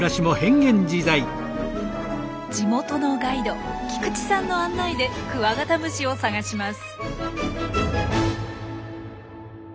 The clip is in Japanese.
地元のガイド菊池さんの案内でクワガタムシを探します。